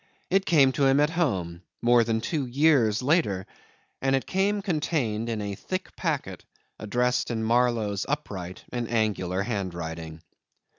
It came to him at home, more than two years later, and it came contained in a thick packet addressed in Marlow's upright and angular handwriting.